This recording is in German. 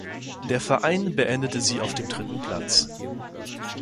Der Verein beendete sie auf dem dritten Platz.